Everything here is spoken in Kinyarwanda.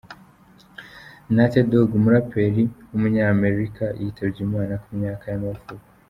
Nate Dogg, umuraperi w’umunyamerika yitabye Imana, ku myaka y’amavuko.